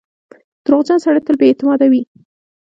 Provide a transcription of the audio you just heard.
• دروغجن سړی تل بې اعتماده وي.